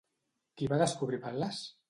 Qui va descobrir Pal·les?